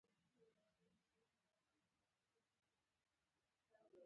د رسنیو اغېز د ټولنې په چلند ښکاري.